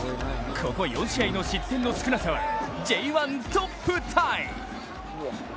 ここ４試合の失点の少なさはＪ１トップタイ。